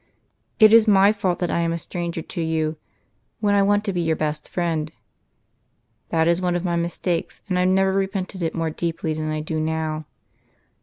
It is my fault that I am a stranger to you, when I want to be your best friend. That is one of my mistakes, and I never repented it more deeply than I do now.